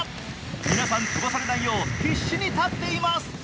皆さん、飛ばされないよう必死に立っています。